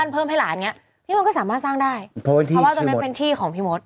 เพียงที่ของพี่มด